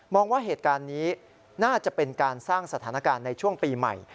ว่าเหตุการณ์นี้น่าจะเป็นการสร้างสถานการณ์ในช่วงปีใหม่